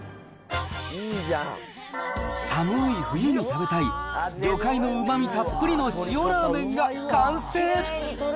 寒ーい冬に食べたい、魚介のうまみたっぷりの塩ラーメンが完成。